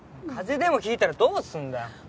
風邪でも引いたらどうすんだよ。